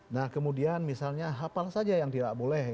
nah kemudian misalnya hafal saja yang tidak boleh